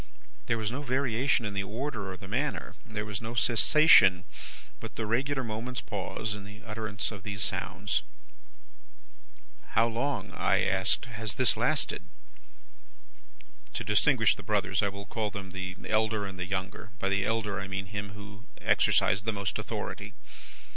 There was no variation in the order, or the manner. There was no cessation, but the regular moment's pause, in the utterance of these sounds. "'How long,' I asked, 'has this lasted?' "To distinguish the brothers, I will call them the elder and the younger; by the elder, I mean him who exercised the most authority.